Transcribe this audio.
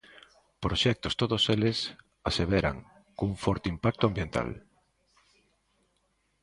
Proxectos todos eles, aseveran, cun forte impacto ambiental.